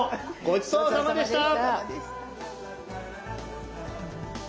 ごちそうさまでした。